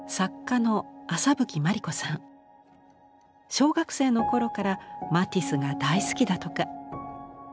小学生の頃からマティスが大好きだとか。